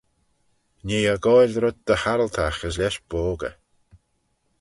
Nee eh goaill rhyt dy arryltagh as lesh boggey.